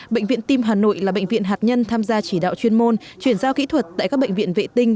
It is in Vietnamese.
bệnh viện tim hà nội là bệnh viện hạt nhân tham gia chỉ đạo chuyên môn chuyển giao kỹ thuật tại các bệnh viện vệ tinh